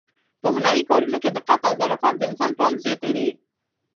په هنري کارونو کې دقت او ظرافت د انسان پام زیاتوي.